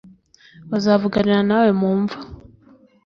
bazavuganira na we mu mva